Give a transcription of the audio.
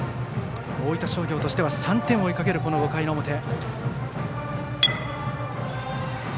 大分商業としては３点を追いかける５回の表。